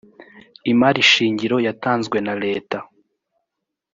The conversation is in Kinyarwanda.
imari shingiro yatanzwe na leta